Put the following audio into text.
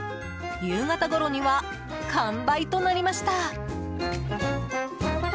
夕方ごろには完売となりました。